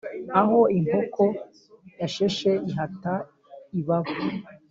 Aho inkoko yasheshe ihata ibaba.